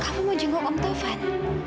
kak fah mau jenguk om taufan